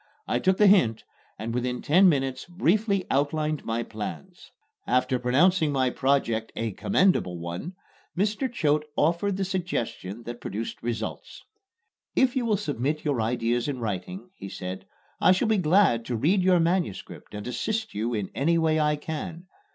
I took the hint and within ten minutes briefly outlined my plans. After pronouncing my project a "commendable one," Mr. Choate offered the suggestion that produced results. "If you will submit your ideas in writing," he said, "I shall be glad to read your manuscript and assist you in any way I can.